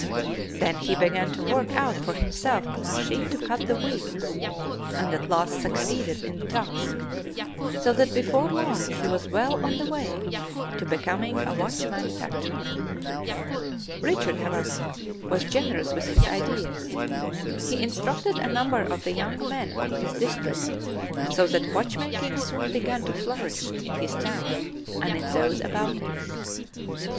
Then he began to work out for himself a machine to cut the wheels, and at last succeeded in the task, so that before long he was well on the way to becoming a watch manufacturer. Richard, however, was generous with his ideas; he instructed a number of the young men of his district, so that watchmaking soon began to flourish in his town and in those about it.